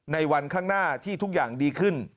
ในวันข้างหน้าที่ทุกอย่างดีขึ้น